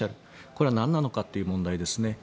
これはなんなのかという問題ですね。